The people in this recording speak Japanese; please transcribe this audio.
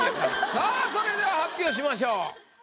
さあそれでは発表しましょう。